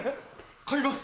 買います！